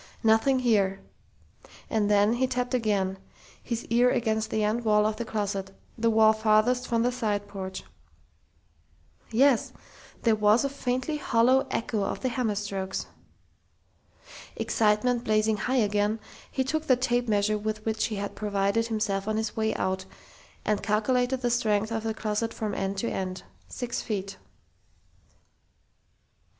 Nothing here.... And then he tapped again, his ear against the end wall of the closet the wall farthest from the side porch.... Yes! There was a faintly hollow echo of the hammer strokes! Excitement blazing high again, he took the tape measure with which he had provided himself on his way out, and calculated the length of the closet from end to end. Six feet....